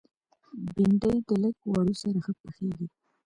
بېنډۍ د لږ غوړو سره ښه پخېږي